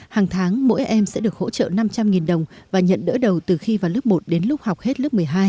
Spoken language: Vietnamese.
hàng tháng mỗi em sẽ được hỗ trợ năm trăm linh đồng và nhận đỡ đầu từ khi vào lớp một đến lúc học hết lớp một mươi hai